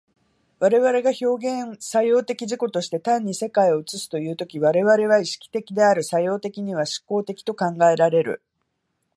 我々が表現作用的自己として単に世界を映すという時、我々は意識的である、作用的には志向的と考えられる。